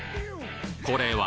これは？